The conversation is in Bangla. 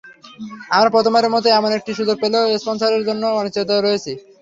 আমরা প্রথমবারের মতো এমন একটি সুযোগ পেলেও স্পনসরের জন্য অনিশ্চয়তায় রয়েছি।